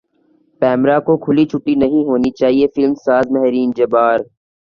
پیمرا کو کھلی چھوٹ نہیں ہونی چاہیے فلم ساز مہرین جبار